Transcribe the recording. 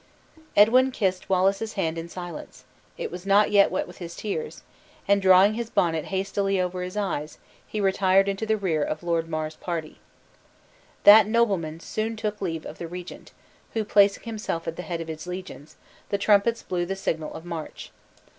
Edwin kissed Wallace's hand in silence it was not wet with his tears and drawing his bonnet hastily over his eyes, he retired into the rear of Lord Mar's party. That nobleman soon after took leave of the regent, who, placing himself at the head of his legions, the trumpets blew the signal of march.